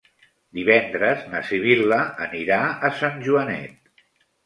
Divendres na Sibil·la anirà a Sant Joanet.